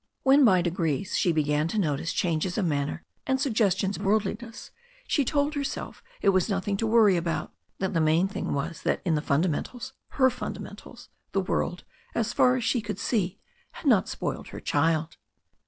When by degrees she began to notice changes of manner and suggestions of worldliness, she told herself it was nothing to worry about ; that the main thing was that in the fundamentals, her fundamentals, the world, as far as she could see, had not spoiled her child.